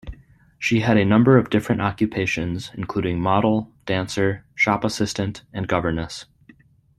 She had a number of different occupations, including model, dancer, shop assistant and governess.